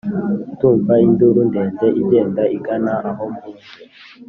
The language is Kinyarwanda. ndumva induru ndende igenda igana aho mbunze